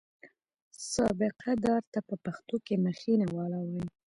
سابقه دار ته په پښتو کې مخینه والا وایي.